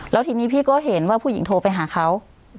แล้วทีนี้พี่ก็เห็นว่าผู้หญิงโทรไปหาเขา